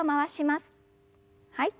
はい。